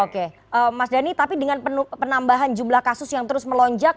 oke mas dhani tapi dengan penambahan jumlah kasus yang terus melonjak